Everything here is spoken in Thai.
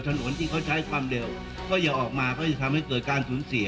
ถนนที่เขาใช้ความเร็วก็อย่าออกมาเพื่อจะทำให้เกิดการสูญเสีย